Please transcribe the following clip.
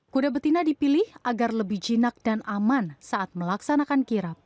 kuda betina dipilih agar lebih jinak dan aman saat melaksanakan kirap